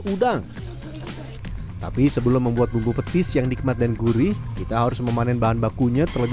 udang tapi sebelum membuat bumbu petis yang nikmat dan gurih kita harus memanen bahan bakunya terlebih